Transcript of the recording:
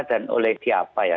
dan oleh siapa ya